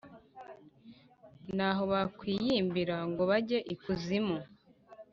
Naho bakwiyimbira ngo bajye ikuzimu